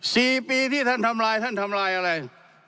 สี่ปีที่ท่านทำลายท่านทำลายอะไร